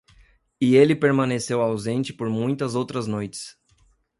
E ele permaneceu ausente por muitas outras noites.